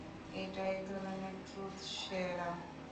এটা একধরণের ট্রুথ সেরাম।